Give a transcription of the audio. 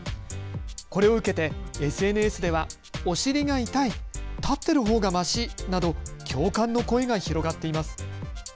これを受けてＳＮＳではお尻が痛い、立ってるほうがましなど共感の声が広がっています。